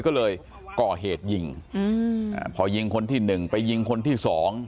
ก็เลยก่อเหตุยิงอืมอ่าพอยิงคนที่หนึ่งไปยิงคนที่สอง